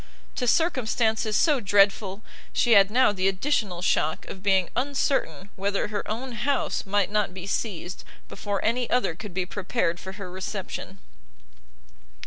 To circumstances so dreadful, she had now the additional shock of being uncertain whether her own house might not be seized, before any other could be prepared for her reception!